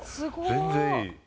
全然いい。